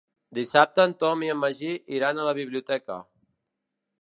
Dissabte en Tom i en Magí iran a la biblioteca.